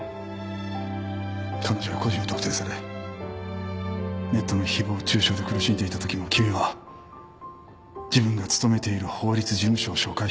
彼女が個人を特定されネットの誹謗中傷で苦しんでいた時も君は自分が勤めている法律事務所を紹介した。